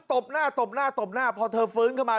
ตบหน้าตบหน้าตบหน้าพอเธอฟื้นขึ้นมา